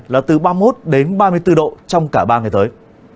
là từ ba mươi một đến ba mươi bốn độ trong cả ba ngày tới